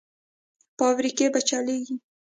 فابریکې به چلېږي؟